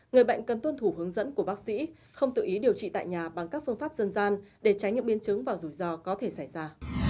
người bệnh cần tuân thủ hướng dẫn của bác sĩ không tự ý điều trị tại nhà bằng các phương pháp dân gian để tránh những biến chứng và rủi ro có thể xảy ra